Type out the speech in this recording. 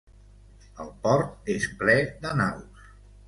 El port és ple de naus.